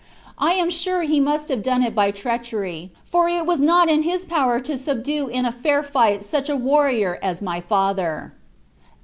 I am sure he must have done it by treachery, for it was not in his power to subdue in fair fight such a warrior as my father."